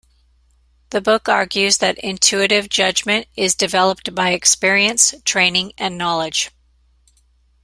The book argues that intuitive judgment is developed by experience, training, and knowledge.